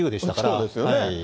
そうですよね。